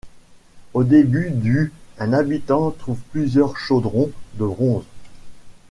Au début du un habitant trouve plusieurs chaudrons de bronze.